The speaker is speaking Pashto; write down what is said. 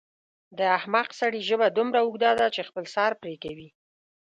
د احمق سړي ژبه دومره اوږده ده چې خپل سر پرې کوي.